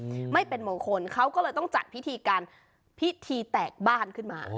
ไม่เป็นมงคลเขาก็เลยต้องจัดพิธีการพิธีแตกบ้านขึ้นมา